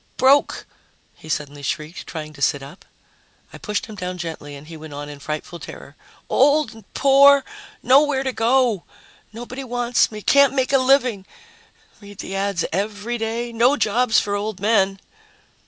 "Broke!" he suddenly shrieked, trying to sit up. I pushed him down gently, and he went on in frightful terror, "Old and poor, nowhere to go, nobody wants me, can't make a living, read the ads every day, no jobs for old men."